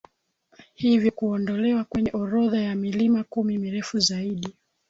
hivyo kuondolewa kwenye orodha ya milima kumi mirefu zaidi